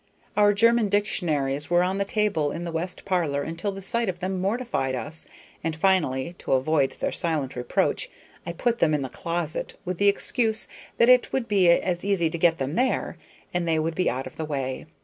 Our German dictionaries were on the table in the west parlor until the sight of them mortified us, and finally, to avoid their silent reproach, I put them in the closet, with the excuse that it would be as easy to get them there, and they would be out of the way.